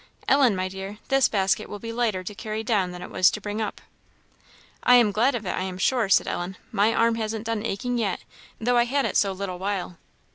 Ellen, my dear, this basket will be lighter to carry down than it was to bring up." "I am glad of it, I am sure," said Ellen; "my arm hasn't done aching yet, though I had it so little while."